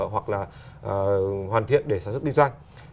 hoặc là hoàn thiện để sản xuất kinh doanh